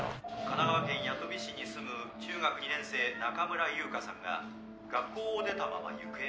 神奈川県八飛市に住む中学２年生中村優香さんが学校を出たまま行方がわからなくなり警察は。